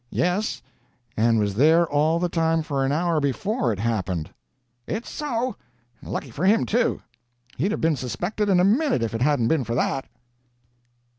"Yes, and was there all the time for an hour before it happened." "It's so. And lucky for him, too. He'd have been suspected in a minute if it hadn't been for that."